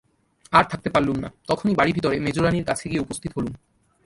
আর থাকতে পারলুম না, তখনই বাড়ি-ভিতরে মেজোরানীর কাছে গিয়ে উপস্থিত হলুম।